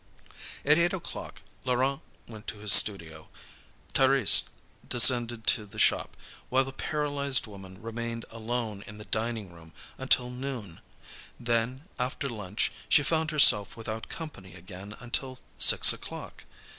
At eight o'clock, Laurent went to his studio, Thérèse descended to the shop, while the paralyzed woman remained alone in the dining room until noon; then, after lunch, she found herself without company again until six o'clock.